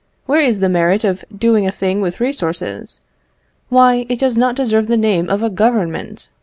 where is the merit of doing a thing with resources? Why, it does not deserve the name of a Government!